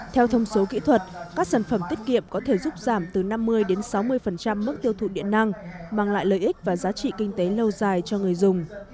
theo thông số kỹ thuật các sản phẩm tiết kiệm có thể giúp giảm từ năm mươi đến sáu mươi mức tiêu thụ điện năng mang lại lợi ích và giá trị kinh tế lâu dài cho người dùng